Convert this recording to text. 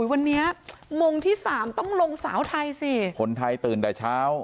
วันนี้โมงที่สามต้องลงสาวไทยสิคนไทยตื่นแต่เช้า